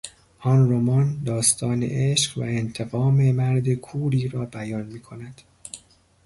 آن رمان داستان عشق و انتقام مرد کوری را بیان میکند.